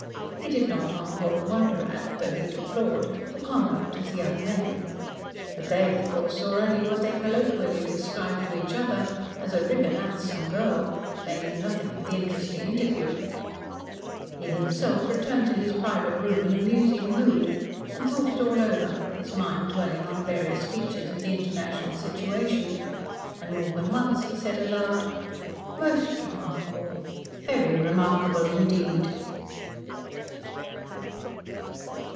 He did not, on the whole, wonder at, though he deplored, the conduct of the young men. But they, of course, saw only what they colloquially described to each other as a "rippin' handsome girl." They knew nothing of the interesting interview. He himself returned to his private room in a musing mood and thought it all over, his mind dwelling on various features of the international situation, and more than once he said aloud: "Most remarkable. Very remarkable, indeed."